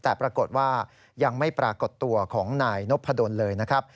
แต่ปรากฏว่ายังไม่ปรากฏตัวของนายนพดลเลยนะครับ